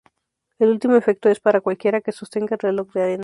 El último efecto es para cualquiera que sostenga el reloj de arena.